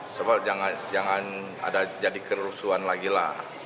sebab jangan ada jadi kerusuhan lagilah